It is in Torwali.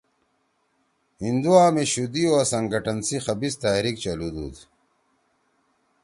ہندُوا می شُدھی او سنگھٹن سی خبیث تحریک چلُودُود